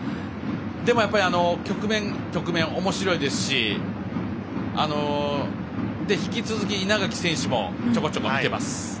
でもやっぱり局面局面、おもしろいですし引き続き稲垣選手もちょこちょこ見ています。